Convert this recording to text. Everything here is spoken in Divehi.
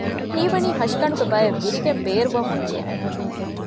ހީވަނީ ހަށިގަނޑުގެ ބައެއް ވިރިގެން ބޭރުވަމުން ދިޔަހެން